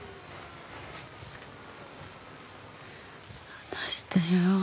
離してよ。